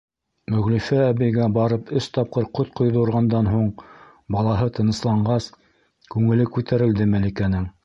Мөғлифә әбейгә барып өс тапҡыр ҡот ҡойҙорғандан һуң балаһы тынысланғас, күңеле күтәрелде Мәликәнең.